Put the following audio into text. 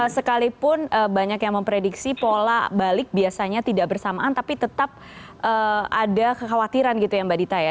sekalipun banyak yang memprediksi pola balik biasanya tidak bersamaan tapi tetap ada kekhawatiran gitu ya mbak dita ya